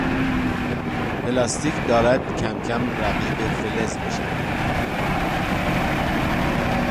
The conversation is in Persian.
پلاستیک دارد کمکم رقیب فلز میشوند.